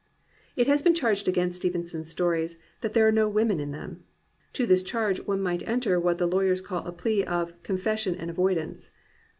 It has been charged against Stevenson's stories that there are no women in them. To this charge one might enter what the lawyers call a plea of "con fession and avoidance."